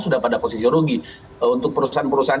sudah pada posisi rugi untuk perusahaan perusahaan